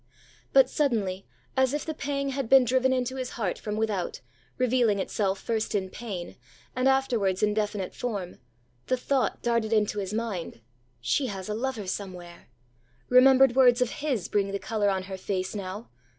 But, suddenly, as if the pang had been driven into his heart from without, revealing itself first in pain, and afterwards in definite form, the thought darted into his mind, ãShe has a lover somewhere. Remembered words of his bring the colour on her face now.